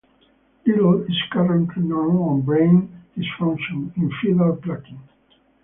Little is currently known on brain dysfunction in feather-plucking.